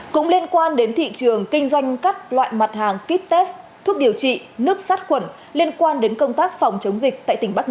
cũng liên quan đến thị trường kinh doanh các loại mặt hàng kites thuốc điều trị nước sát khuẩn liên quan đến công tác phòng chống dịch tại tỉnh bắc ninh